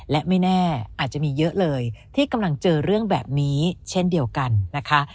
และไม่แน่อาจจะมีเยอะเลยที่กำลังเจอเรื่องแบบนี้เช่นเดียวกันนะคะ